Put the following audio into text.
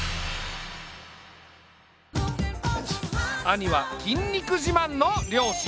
兄は筋肉自慢の漁師。